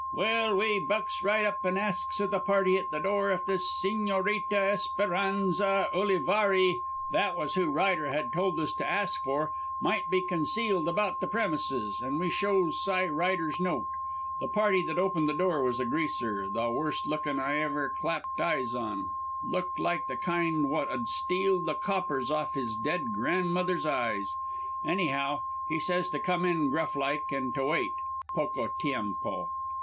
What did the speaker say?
"Well, we bucks right up an' asks o' the party at the door if the Sigñorita Esperanza Ulivarri that was who Ryder had told us to ask for might be concealed about the premises, an' we shows Cy Ryder's note. The party that opened the door was a Greaser, the worst looking I ever clapped eyes on looked like the kind wot 'ud steal the coppers off his dead grandmother's eyes. Anyhow, he says to come in, gruff like, an' to wait, poco tiempo.